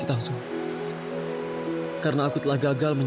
tundukkan rasa takut kalian